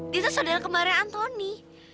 dia tuh sodara kembarnya antoni